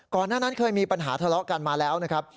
หน้านั้นเคยมีปัญหาทะเลาะกันมาแล้วนะครับ